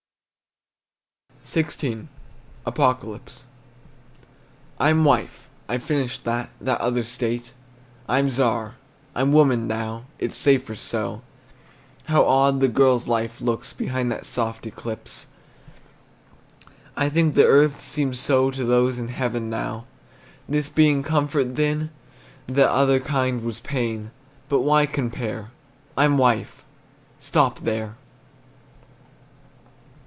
XVI. APOCALYPSE. I'm wife; I've finished that, That other state; I'm Czar, I'm woman now: It's safer so. How odd the girl's life looks Behind this soft eclipse! I think that earth seems so To those in heaven now. This being comfort, then That other kind was pain; But why compare? I'm wife! stop there!